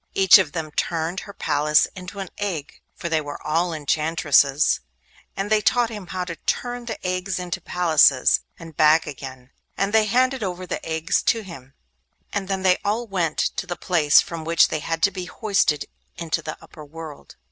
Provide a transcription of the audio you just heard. Each of them turned her palace into an egg—for they were all enchantresses—and they taught him how to turn the eggs into palaces, and back again, and they handed over the eggs to him. And then they all went to the place from which they had to be hoisted into the upper world.